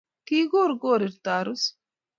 Kokur Korir Tarus.